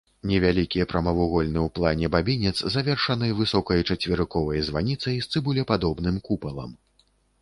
Невялікі прамавугольны ў плане бабінец завершаны высокай чацверыковай званіцай з цыбулепадобным купалам.